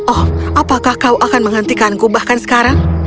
oh apakah kau akan menghentikanku bahkan sekarang